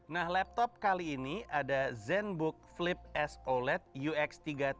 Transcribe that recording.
nah laptop kali ini ada zenbook flip s oled ux tiga puluh tiga